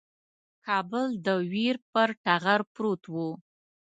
کابل د ویر پر ټغر پروت وو.